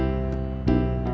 aku mau ke tempat usaha